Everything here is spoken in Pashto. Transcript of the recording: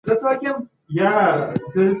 هغه هدف چي په نېکۍ ترلاسه سي تلپاتي وي.